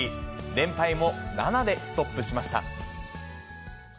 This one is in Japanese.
連敗も７でストップしました。